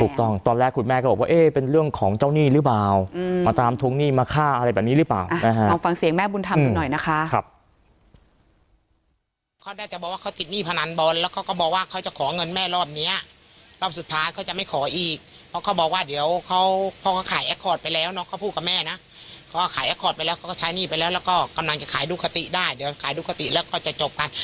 ถูกต้องตอนแรกครูแนนก็บอกว่าเอ๊ะเป็นเรื่องของเจ้าหนี้หรือเปล่ามาตามทุกหนี้มาฆ่าอะไรแบบนี้หรือเปล่านะฮะ